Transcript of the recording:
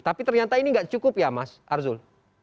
tapi ternyata ini nggak cukup ya mas arzul